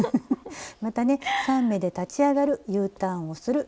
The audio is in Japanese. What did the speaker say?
またね３目で立ち上がるＵターンをする。